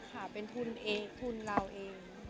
ทำเองค่ะเป็นทุนเราเอง